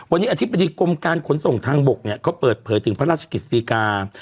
วันนี้อธิบดีกรมการขนส่งทางบกเนี่ยเขาเปิดเผยถึงพระราชกฤษฎีกา